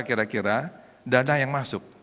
kira kira dana yang masuk